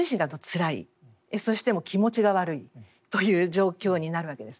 そして気持ちが悪いという状況になるわけです。